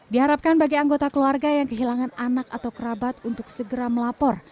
diharapkan bagi anggota keluarga yang kehilangan anak atau kerabat untuk segera melapor